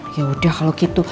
yaudah kalau gitu